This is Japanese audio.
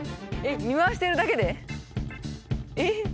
えっ見回してるだけで？